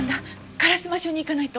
烏丸署に行かないと。